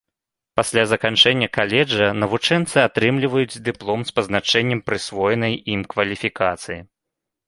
Пасля заканчэння каледжа навучэнцы атрымліваюць дыплом з пазначэннем прысвоенай ім кваліфікацыі.